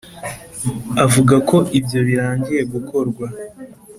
Avuga ko ibyo birangiye gukorwa